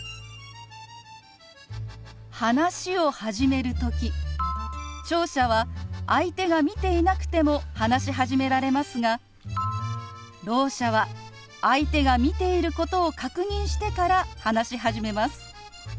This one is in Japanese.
話を始める時聴者は相手が見ていなくても話し始められますがろう者は相手が見ていることを確認してから話し始めます。